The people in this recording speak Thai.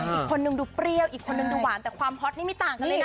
อีกคนนึงดูเปรี้ยวอีกคนนึงดูหวานแต่ความฮอตนี่ไม่ต่างกันเลยนะ